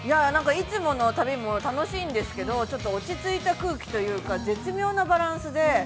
◆なんかいつもの旅も楽しいんですけどちょっと落ちついた空気というか、絶妙なバランスで。